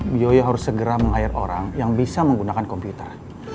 biyoyo harus segera menghayat orang yang bisa menggunakan komputer